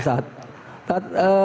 suara karya oke